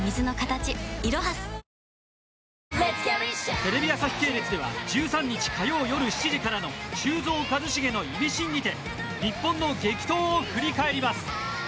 テレビ朝日系列では１３日、火曜夜７時からの「修造＆一茂のイミシン」にて日本の激闘を振り返ります。